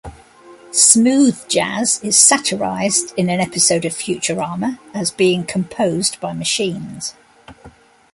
Smooth jazz is satirized in an episode of Futurama as being composed by machines.